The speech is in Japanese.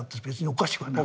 おかしくはない。